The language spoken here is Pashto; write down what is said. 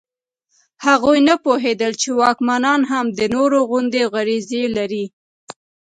هغوی نه پوهېدل چې واکمنان هم د نورو غوندې غریزې لري.